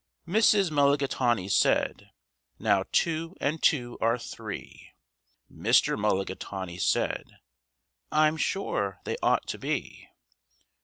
Mrs. Mulligatawny said, "Now two and two are three." Mr. Mulligatawny said, "I'm sure they ought to be."